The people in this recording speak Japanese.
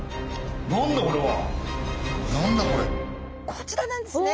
こちらなんですね。